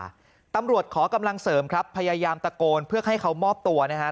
ตำรวจขอกำลังเสริมครับพยายามตะโกนเพื่อให้เขามอบตัวนะฮะ